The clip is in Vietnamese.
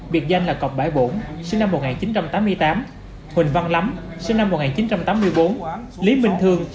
biệt danh là cọc bãi bổn sinh năm một nghìn chín trăm tám mươi tám huỳnh văn lắm sinh năm một nghìn chín trăm tám mươi bốn lý minh thương